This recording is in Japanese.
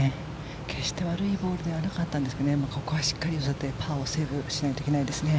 決して悪いボールではなかったんですがここはしっかりパーをセーブしないといけないですね。